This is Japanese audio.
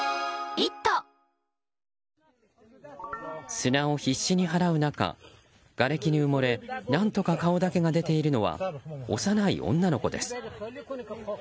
砂を必死に払う中がれきに埋もれ、何とか顔だけが出ているのは幼い女の子です。